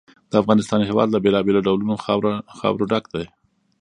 د افغانستان هېواد له بېلابېلو ډولونو خاوره ډک دی.